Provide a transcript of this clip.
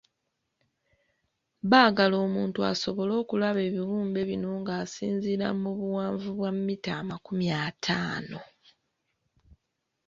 Baagala omuntu asobole okulaba ebibumbe bino nga asinziira mu buwanvu bwa mita amakumi ataano.